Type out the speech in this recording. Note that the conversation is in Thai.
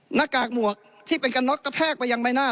หน้ากากหมวกที่เป็นกระน็อกกระแทกไปยังใบหน้า